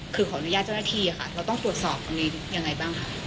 คือขออนุญาตเจ้าหน้าที่ค่ะเราต้องตรวจสอบตรงนี้ยังไงบ้างค่ะ